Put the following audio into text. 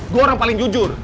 gue orang paling jujur